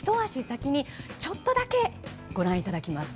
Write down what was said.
先にちょっとだけご覧いただきます。